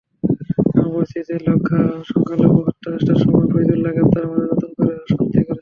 এমন পরিস্থিতিতে সংখ্যালঘু হত্যাচেষ্টার সময় ফয়জুল্লাহ গ্রেপ্তার আমাদের নতুন করে আশান্বিত করেছিল।